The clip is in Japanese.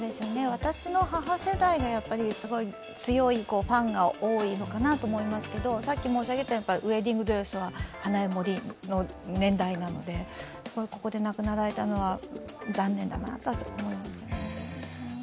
私の母世代がすごい強いファンが多いのかなと思いますけど、ウェディングドレスはＨＡＮＡＥＭＯＲＩの年代なので亡くなられたのは残念だなと思いますね。